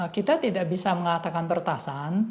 kita tidak bisa mengatakan pertasan